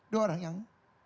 dua orang yang